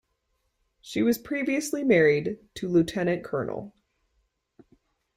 She was previously married to Lt.-Col.